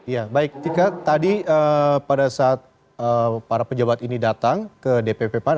ya baik tika tadi pada saat para pejabat ini datang ke dpp pan